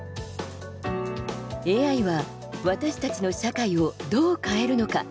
ＡＩは私たちの社会をどう変えるのか？